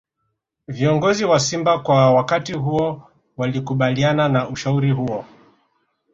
Viongozi wa Simba kwa wakati huo walikubaliana na ushauri huo